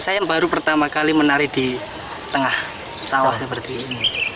saya yang baru pertama kali menari di tengah sawah seperti ini